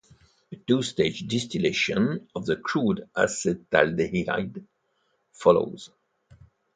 A two-stage distillation of the crude acetaldehyde follows.